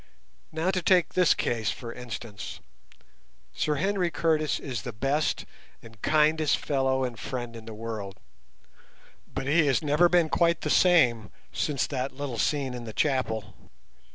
Now to take this case for instance: Sir Henry Curtis is the best and kindest fellow and friend in the world, but he has never been quite the same since that little scene in the chapel.